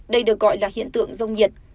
đây được gọi là hiện tượng rông nhiệt